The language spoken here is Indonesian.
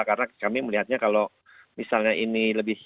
karena kami melihatnya kalau misalnya ini lebih